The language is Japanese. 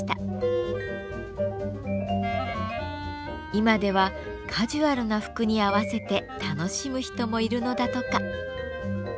今ではカジュアルな服に合わせて楽しむ人もいるのだとか。